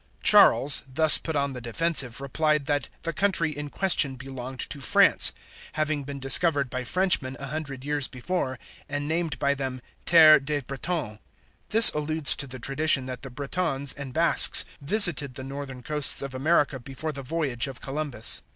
Charles, thus put on the defensive, replied, that the country in question belonged to France, having been discovered by Frenchmen a hundred years before, and named by them Terre des Bretons. This alludes to the tradition that the Bretons and Basques visited the northern coasts of America before the voyage of Columbus.